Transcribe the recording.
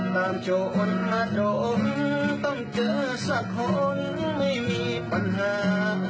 ตามโชว์อดหน้าโดมต้องเจอสักห้นไม่มีปัญหา